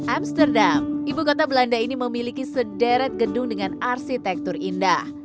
amsterdam ibu kota belanda ini memiliki sederet gedung dengan arsitektur indah